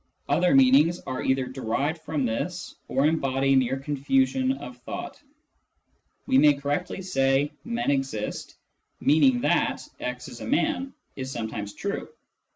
Other meanings are either derived from this, or embody mere confusion of thought. We may correctly say " men exist," meaning that " x is a man " is some times true.